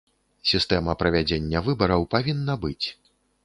Сістэма правядзення выбараў павінна быць.